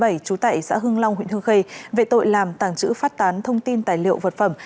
trú tại xã hương long huyện hương khê về tội làm tàng trữ phát tán thông tin tài liệu vật phẩm